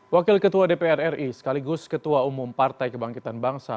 wakil ketua dpr ri sekaligus ketua umum partai kebangkitan bangsa